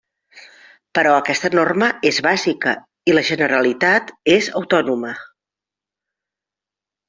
Però aquesta norma és bàsica i la Generalitat és autònoma.